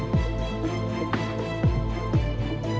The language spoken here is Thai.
ดีดีดี